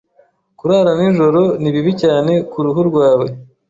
[S] Kurara nijoro ni bibi cyane kuruhu rwawe.